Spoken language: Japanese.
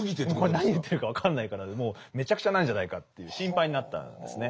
これ何言ってるか分かんないからもうめちゃくちゃなんじゃないかという心配になったんですね。